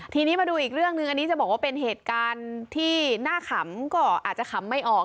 ทีนี้มาดูอีกเรื่องหนึ่งอันนี้จะบอกว่าเป็นเหตุการณ์ที่หน้าขำก็อาจจะขำไม่ออก